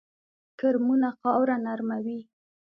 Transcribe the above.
کرمونه خاوره نرموي